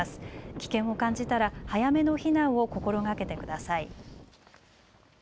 危険を感じたら早めの避難を心がけてください。